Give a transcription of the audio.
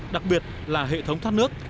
đặc biệt là hệ thống thắt nước